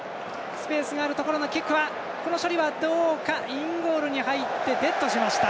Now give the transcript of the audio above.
インゴールに入ってデッドしました。